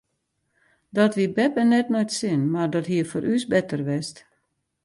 Dat wie beppe net nei it sin mar dat hie foar ús better west.